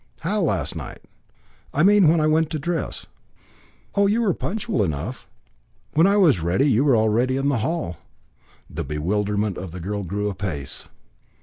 "How, last night?" "I mean when I went to dress." "Oh, you were punctual enough. When I was ready you were already in the hall." The bewilderment of the girl grew apace.